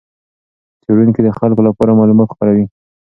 څېړونکي د خلکو لپاره معلومات خپروي.